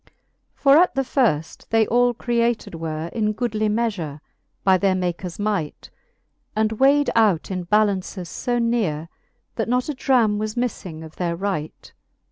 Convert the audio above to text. XXXV. For at the firft they all created were In goodly meafure, by their Maker's might, And weighed out in ballaunces fb nere, That not a dram was miffing of their right.